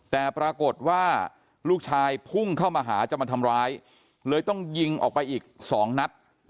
แต่ปรากฏว่าลูกชายพุ่งเข้ามาหาจะมาทำร้ายเลยต้องยิงออกไปอีก๒นัด